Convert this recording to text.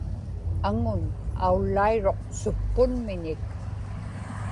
aŋun aullairuq suppunmiñik